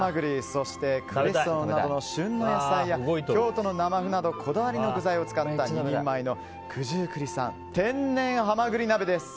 そして、クレソンなどの旬の野菜や京都の生麩などこだわりの具材を使った２人前の九十九里産「天然」はまぐり鍋です。